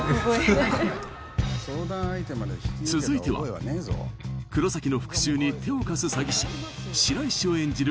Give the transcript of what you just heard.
続いては黒崎の復讐に手を貸す詐欺師白石を演じる